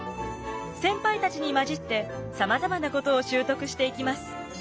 先輩たちに交じってさまざまなことを習得していきます。